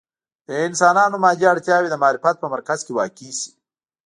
د انسانانو مادي اړتیاوې د معرفت په مرکز کې واقع شي.